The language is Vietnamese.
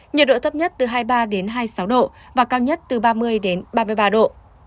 nhiệt độ thấp nhất từ hai mươi ba hai mươi sáu độ và cao nhất từ ba mươi đến ba mươi ba độ